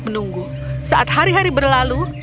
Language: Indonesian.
menunggu saat hari hari berlalu